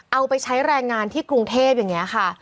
เอาไปใช้แรงงานที่กรุงเทพอย่างนี้ค่ะ